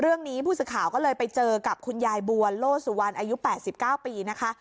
เรื่องนี้ผู้สื่อข่าวก็เลยไปเจอกับคุณยายบัวโลสุวรรณอายุ๘๙ปีนะคะ